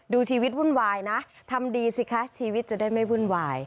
ดูชีวิตวุ่นวายนะทำดีสิคะชีวิตจะได้ไม่วุ่นวาย